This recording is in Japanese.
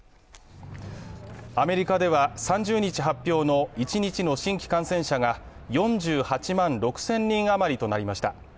アメリカでは３０日発表の一日の新規感染者が４８万６０００人余りとなりました。